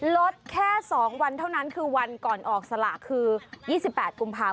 ลดแค่๒วันเท่านั้นคือวันก่อนออกสลากคือ๒๘กุมภาพ